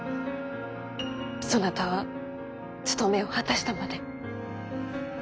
そなたは務めを果たしたまで。